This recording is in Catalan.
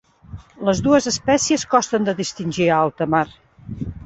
Les dues espècies costen de distingir a alta mar.